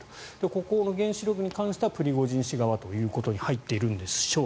ここの原子力ということに関してはプリゴジン氏側ということに入っているんでしょう。